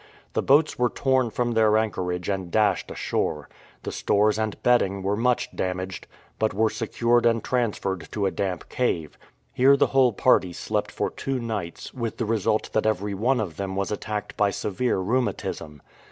The boats were torn from their anchorage and dashed ashore. The stores and bedding were much damaged, but were secured and trans ferred to a damp cave. Here the whole party slept for two nights, with the result that every one of them was attacked by severe rheumatism.